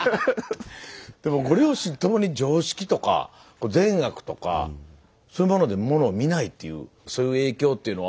でもご両親ともに常識とか善悪とかそういうものでものを見ないっていうそういう影響っていうのは。